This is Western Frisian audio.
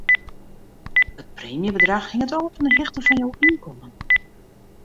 It preemjebedrach hinget ôf fan 'e hichte fan jo ynkommen.